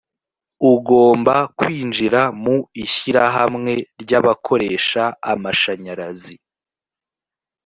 ugomba kwinjira mu ishyirahamwe ry’abakoresha amashanyarazi